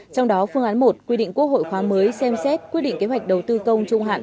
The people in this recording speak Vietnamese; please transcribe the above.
trong đó phương án một quy định quốc hội khóa mới xem xét quyết định kế hoạch đầu tư công trung hạn